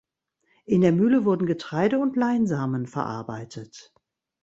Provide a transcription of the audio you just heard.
In der Mühle wurden Getreide und Leinsamen verarbeitet.